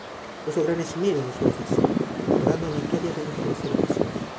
Puso gran esmero en su oficio, mejorando notoriamente los servicios.